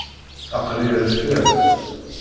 Aql-i rfiɣ.